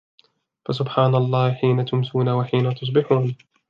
فسبحان الله حين تمسون وحين تصبحون